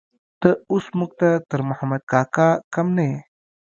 ته اوس موږ ته تر محمد کاکا کم نه يې.